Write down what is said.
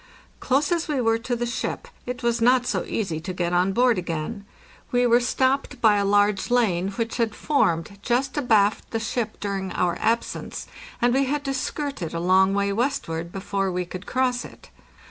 Close as we were to the ship, it was not so easy to get on board again. We were stopped by a large lane which had formed just abaft JANCGARY © TO: MAY 17, F506 669 the ship during our absence, and we had to skirt it a long way westward before we could cross it.